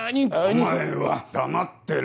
お前は黙ってろ。